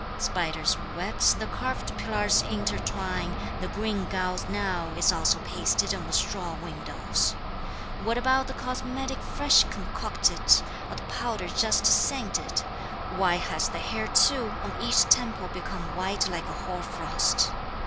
Spiders' webs the carved pillars intertwine, The green gauze now is also pasted on the straw windows! What about the cosmetic fresh concocted or the powder just scented; Why has the hair too on each temple become white like hoarfrost!